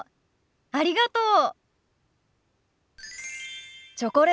ありがとう。